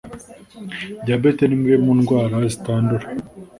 diabète ni imwe mu ndwara zitandura